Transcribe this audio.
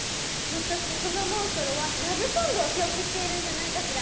ひょっとしてこのモンストロはラブソングを記憶しているんじゃないかしら。